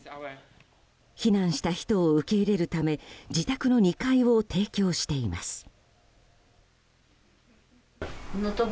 避難した人を受け入れるため自宅の２階を提供しています。